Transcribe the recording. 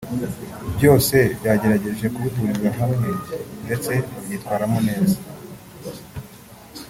byose bagerageje kubihuriza hamwe ndetse babyitwaramo neza